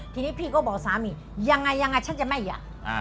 ทีนี้พี่ก็บอกสามียังไงยังไงฉันจะไม่อยาก